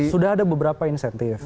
sudah ada beberapa insentif